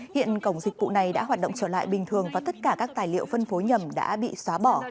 hiện cổng dịch vụ này đã hoạt động trở lại bình thường và tất cả các tài liệu phân phối nhầm đã bị xóa bỏ